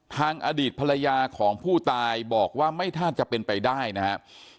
อดีตภรรยาของผู้ตายบอกว่าไม่น่าจะเป็นไปได้นะครับ